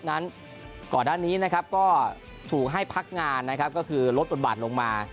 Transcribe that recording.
นั้นก่อนหน้านี้นะครับก็ถูกให้พักงานนะครับก็คือลดบทบาทลงมา